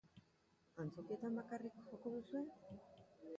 Antzokietan bakarrik joko duzue?